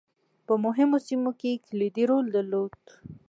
په مهمو سیمو کې یې کلیدي رول درلود.